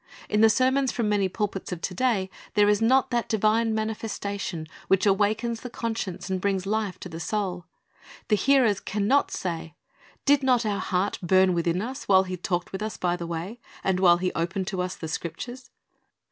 In the sermons from many pulpits of to day there is not that divine manifestation which awakens the conscience and brings life to the soul. The hearers can not say, "Did not our heart burn within us, while He talked with us by the way, and while He opened to us the Scriptures?"'